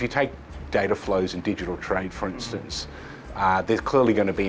memastikan data bisa berjalan dengan ruang yang sesuai untuk kebijakan regulasi yang sepatutnya